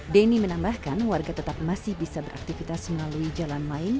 denny menambahkan warga tetap masih bisa beraktivitas melalui jalan main